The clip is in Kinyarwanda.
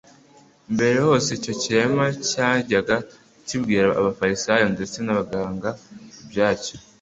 Mbere hose icyo kirema cyajyaga kibwira abafarisayo ndetse n'abaganga ibyacyo,